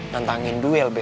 nantangin duel be